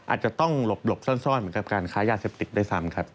อาจจะต้องหลบซ่อนเหมือนกับการค้ายาเสพติดด้วยซ้ำครับ